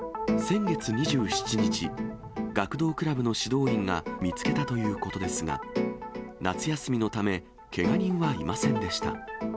先月２７日、学童クラブの指導員が見つけたということですが、夏休みのため、けが人はいませんでした。